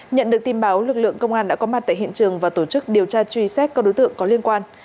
nhận được tin báo lực lượng công an đã có mặt tại hiện trường và tổ chức điều tra truy xét các đối tượng có liên quan